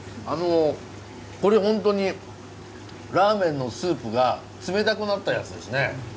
これホントにラーメンのスープが冷たくなったやつですね。